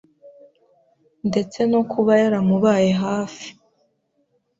ndetse no kuba yaramubaye hafi